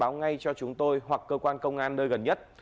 báo ngay cho chúng tôi hoặc cơ quan công an nơi gần nhất